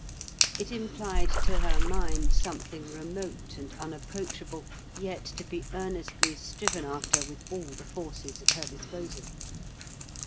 It implied to her mind something remote and unapproachable, yet to be earnestly striven after with all the forces at her disposal.